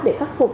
để khắc phục